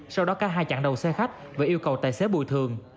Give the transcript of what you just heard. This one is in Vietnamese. sau đó cả hai chặn đầu xe khách và yêu cầu tài xế bùi thường